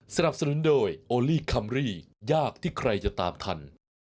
สนับสนุนโดยโอลี่คัมรี่ยากที่ใครจะตามทัน